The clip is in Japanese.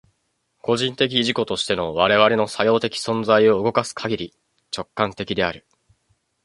個人的自己としての我々の作用的存在を動かすかぎり、直観的である。